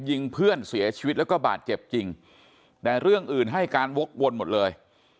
ยิงเพื่อนเสียชีวิตแล้วก็บาดเจ็บจริงแต่เรื่องอื่นให้การวกวนหมดเลย